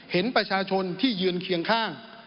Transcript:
เห็นประชาชนที่ยืนเคียงข้าง